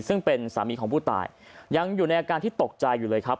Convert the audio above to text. ซึ่งเป็นสามีของผู้ตายยังอยู่ในอาการที่ตกใจอยู่เลยครับ